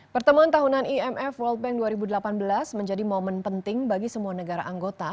pertemuan tahunan imf world bank dua ribu delapan belas menjadi momen penting bagi semua negara anggota